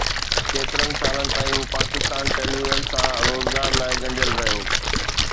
ڪيترن سالن تائين هو پاڪستان ٽيليويزن سان روزگار لاءِ ڳنڍيل رهيو